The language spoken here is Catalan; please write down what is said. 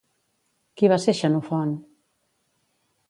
Qui va ser Xenofont?